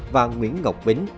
và nguyễn ngọc bính